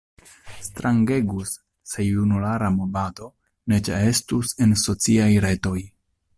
Strangegus se junulara movado ne ĉeestus en sociaj retoj.